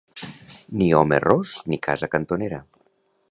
Ni home ros ni casa cantonera.